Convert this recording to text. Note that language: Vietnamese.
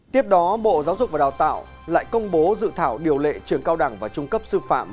tiếp đó bộ giáo dục và đào tạo lại công bố dự thảo điều lệ trường cao đẳng và trung cấp sư phạm